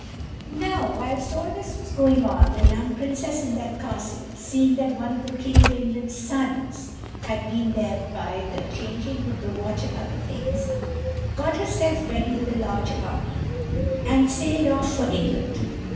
Now whilst all this was going on, the young Princess in that castle, seeing that one of the King of England's sons had been there by the changing of the watch and other things, got herself ready with a large army, and sailed off for England.